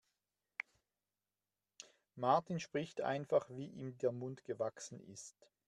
Martin spricht einfach, wie ihm der Mund gewachsen ist.